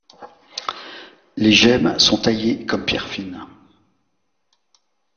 Les gemmes sont taillées comme pierres fines.